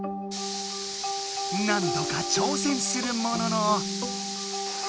何度か挑戦するものの。